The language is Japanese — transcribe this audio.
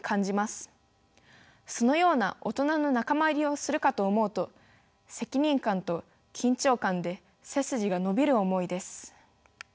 そのような大人の仲間入りをするかと思うと責任感と緊張感で背筋が伸びる思いです。